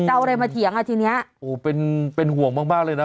จะเอาอะไรมาเถียงอ่ะทีเนี้ยโอ้เป็นเป็นห่วงมากมากเลยนะ